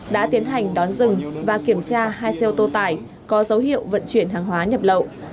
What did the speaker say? đã tiến hành đón dừng và kiểm tra hai xe ô tô tải có dấu hiệu vận chuyển hàng hóa nhập lậu